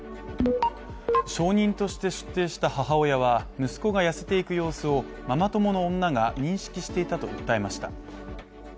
証人として出廷した母親は息子が痩せていく様子をママ友の女が認識していたと訴えました。